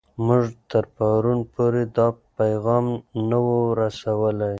موږ تر پرون پورې دا پیغام نه و رسوولی.